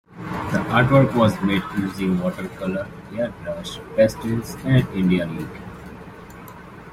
The artwork was made using watercolor airbrush, pastels, and India ink.